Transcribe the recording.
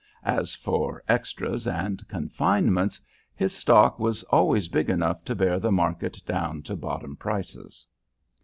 As for 'extras' and confinements, his stock was always big enough to bear the market down to bottom prices."